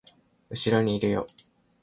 後ろにいるよ